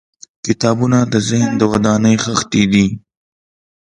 • کتابونه د ذهن د ودانۍ خښتې دي.